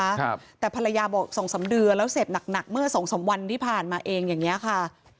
ครับแต่ภรรยาบอกสองสามเดือนแล้วเสพหนักหนักเมื่อสองสามวันที่ผ่านมาเองอย่างเงี้ยค่ะ